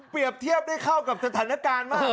เทียบได้เข้ากับสถานการณ์มาก